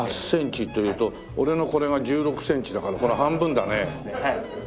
８センチっていうと俺のこれが１６センチだからこの半分だね。